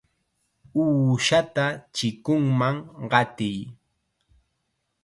¡Uushata chikunman qatiy!